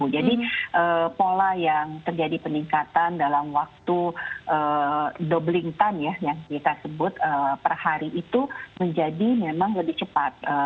jadi pola yang terjadi peningkatan dalam waktu doubling time ya yang kita sebut per hari itu menjadi memang lebih cepat